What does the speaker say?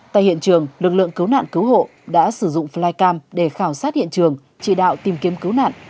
tại hiện trường lực lượng cứu nạn cứu hộ đã sử dụng flycam để khảo sát hiện trường chỉ đạo tìm kiếm cứu nạn